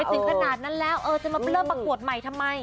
ถึงขนาดนั้นแล้วจะมาเริ่มประกวดใหม่ทำไม